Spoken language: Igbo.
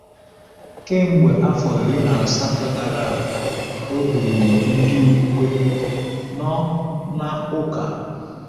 Kemgbe afọ iri na asatọ gara aga, o duru ndi ukwe nọ na ụka.